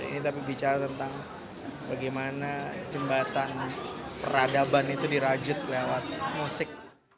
ini tapi bicara tentang bagaimana jembatan peradaban itu dirajut lewat musik